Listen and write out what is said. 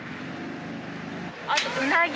あとうなぎ。